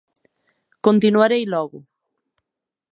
Continuarei logo.